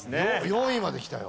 ４位まできたよ。